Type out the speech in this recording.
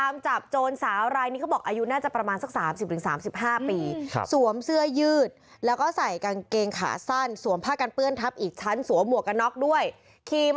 ไม่ใช่เนียวกัยนะไม่ใช่เนียวกัยเลย